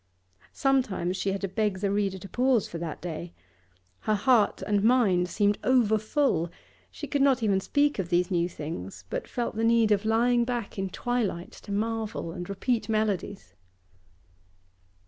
Sometimes she had to beg the reader to pause for that day; her heart and mind seemed overfull; she could not even speak of these new things, but felt the need of lying back in twilight to marvel and repeat melodies.